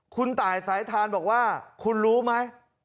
คุณตายสายทานบอกว่าคุณรู้ไหม